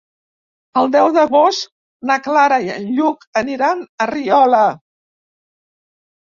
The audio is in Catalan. El deu d'agost na Clara i en Lluc aniran a Riola.